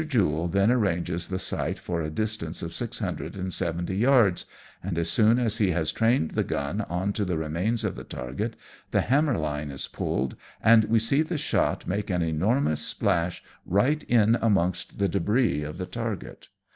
Jule then arranges the sight for a distance of six hundred and seventy yards, and as soon as he has trained the gun on to the remains of the target, the hammer line is pulled, and we see the shot make an enormous splash right in amongst the debris of the target.